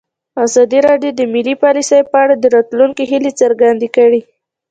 ازادي راډیو د مالي پالیسي په اړه د راتلونکي هیلې څرګندې کړې.